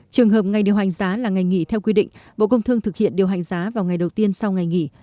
trường hợp ngày điều hành giá là ngày nghỉ theo quy định bộ công thương thực hiện điều hành giá vào ngày đầu tiên sau ngày nghỉ